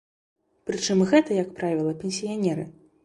Прычым гэта, як правіла, пенсіянеры.